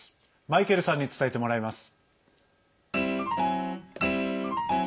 マイケルさんに伝えてもらいます。